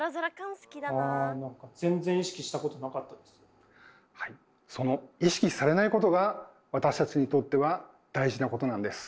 例えばはいその「意識されないこと」が私たちにとっては大事なことなんです。